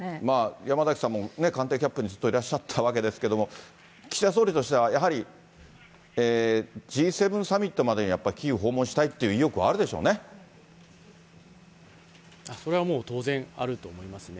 山崎さんも官邸キャップにずっといらっしゃったわけですけれども、岸田総理としてはやはり、Ｇ７サミットまでにはやっぱりキーウ訪問したいという意欲はあるそれはもう当然あると思いますね。